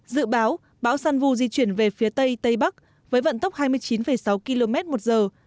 dự báo bão san vu di chuyển về phía tây tây bắc với vận tốc hai mươi chín sáu km một giờ